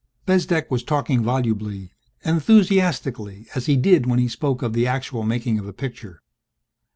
Bezdek was talking volubly, enthusiastically as he did when he spoke of the actual making of a picture.